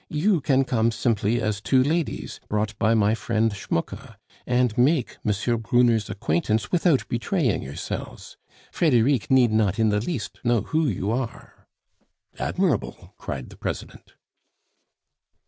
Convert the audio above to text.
"You can come simply as two ladies, brought by my friend Schmucke, and make M. Brunner's acquaintance without betraying yourselves. Frederic need not in the least know who you are." "Admirable!" cried the President.